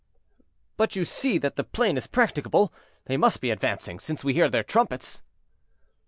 "But you see that the plain is practicable; they must be advancing, since we hear their trumpets."